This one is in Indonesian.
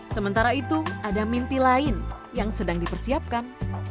sementara itu ada mimpi lain yang sedang dipersiapkan